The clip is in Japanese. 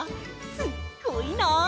すっごいなあ！